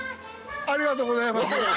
ありがとうございます。